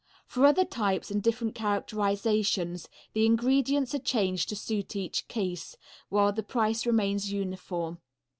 For other types and different characterizations the ingredients are changed to suit each case, while the price remains uniform.